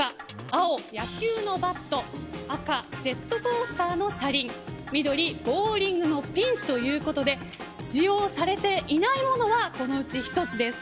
青、野球のバット赤、ジェットコースターの車輪緑、ボウリングのピンということで使用されていないものはこのうち１つです。